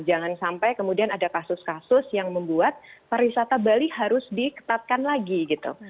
jangan sampai kemudian ada kasus kasus yang membuat pariwisata bali harus diketatkan lagi gitu